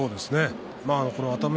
熱海